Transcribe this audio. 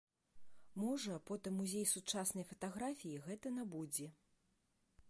Можа, потым музей сучаснай фатаграфіі гэта набудзе.